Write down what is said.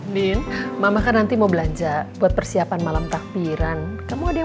bin mama kan nanti mau belanja buat persiapan malam takbiran kamu ada yang